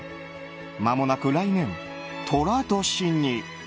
まもなく来年、寅年に。